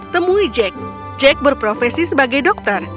temui jack jack berprofesi sebagai dokter